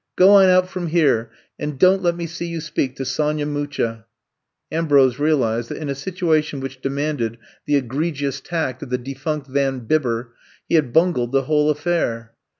Go on out from here and don't let me see you speak to Sonya Mucha !'' Ambrose realized that in a situ ation which demanded the egregious tact of the defunct Van Bibber, he had bungled the whole affair.